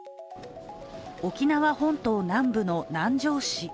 沖縄本島南部の南城市。